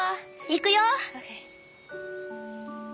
行くよ！